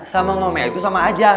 sama ngomel itu sama aja